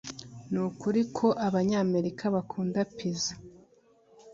Nukuri ko Abanyamerika bakunda pizza